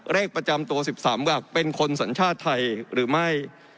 ประจำตัว๑๓วักเป็นคนสัญชาติไทยหรือไม่